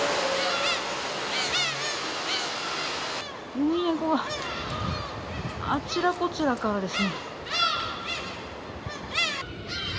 ウミネコがあちらこちらからですね。